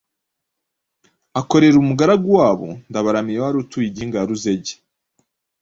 akorera umugaragu wabo Ndabaramiye wari utuye i Gihinga na Ruzege